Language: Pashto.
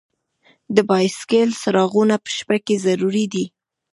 د بایسکل څراغونه په شپه کې ضروری دي.